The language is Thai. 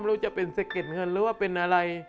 มันต้องจะเป็นเศรษฐกิจเกินหรือว่าเป็นอะไร